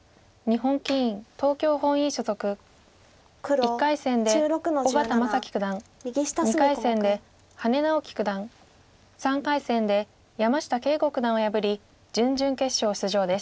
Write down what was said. １回戦で小県真樹九段２回戦で羽根直樹九段３回戦で山下敬吾九段を破り準々決勝出場です。